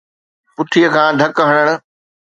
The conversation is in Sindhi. پٺيءَ کان ڌڪ هڻڻ